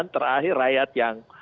terakhir rakyat yang